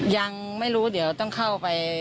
ยังไม่รู้เดี๋ยวต้องเข้าไป